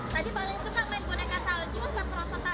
tadi paling suka main boneka salju sama perosotan